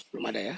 belum ada ya